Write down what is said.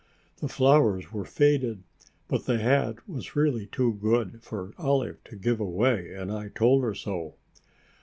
The flowers were faded, but the hat was really too good for Olive to give away, and I told her so."